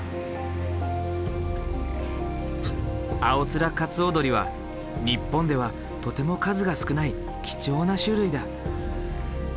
アオツラカツオドリは日本ではとても数が少ない貴重な種類だ。